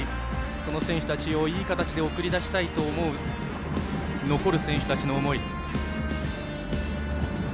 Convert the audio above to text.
その選手たちをいい形で送り出したいと思う残る選手たちの思い。